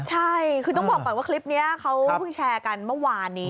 ใช่คือต้องบอกก่อนว่าคลิปนี้เขาเพิ่งแชร์กันเมื่อวานนี้